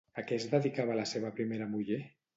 A què es dedicava la seva primera muller?